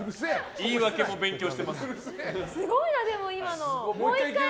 言い訳も勉強してますね。